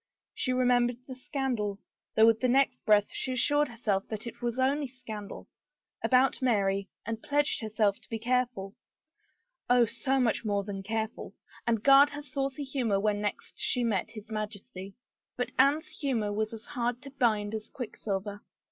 She remembered the scandal — though with the next breath she assured herself that it was only scandal — about Mary, and pledged herself to be careful — Oh, so much more than careful! — and guard her saucy humor when next she met his Majesty. But Anne's humor was as hard to bind as quicksilver.